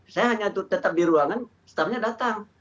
saya hanya tetap di ruangan staffnya datang